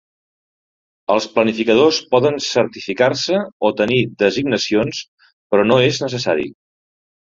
Els planificadors poden certificar-se o tenir designacions, però no és necessari.